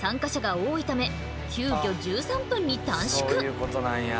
そういうことなんや。